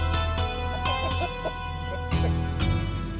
selama kamu masih bisa ngurusin j wall